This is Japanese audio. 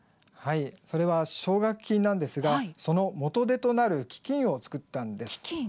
それは奨学金なんですがその元手となる基金を作ったんです。